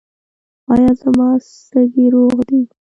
ایا زما سږي روغ دي؟